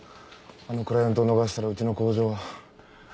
あのクライアントを逃したらうちの工場は。